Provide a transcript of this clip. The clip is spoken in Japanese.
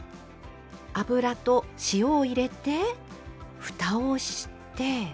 油と塩を入れてふたをして。